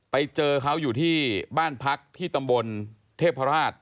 ไปเจอเขาอยู่ที่บ้านพักที่ตำบลเทพราช